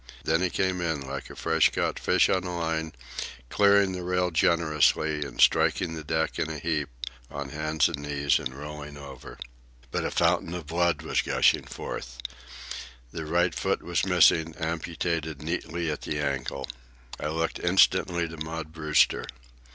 Then he came in like a fresh caught fish on a line, clearing the rail generously and striking the deck in a heap, on hands and knees, and rolling over. But a fountain of blood was gushing forth. The right foot was missing, amputated neatly at the ankle. I looked instantly to Maud Brewster.